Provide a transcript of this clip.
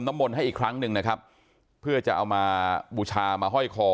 มนต์ให้อีกครั้งหนึ่งนะครับเพื่อจะเอามาบูชามาห้อยคอ